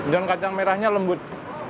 dan kacang merahnya lembut